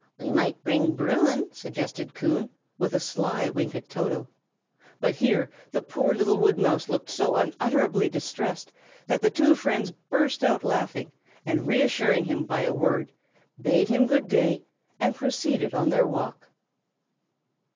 "We might bring Bruin!" suggested Coon, with a sly wink at Toto. But here the poor little woodmouse looked so unutterably distressed, that the two friends burst out laughing; and reassuring him by a word, bade him good day, and proceeded on their walk.